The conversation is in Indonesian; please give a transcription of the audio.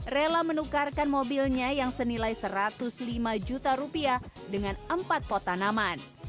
rela menukarkan mobilnya yang senilai satu ratus lima juta rupiah dengan empat pot tanaman